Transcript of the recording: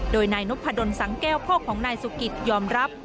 โดยนายนพดลสังแก้วพ่อของนายสุกิตยอมรับ